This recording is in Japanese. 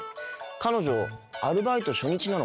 彼女アルバイト初日なのかな。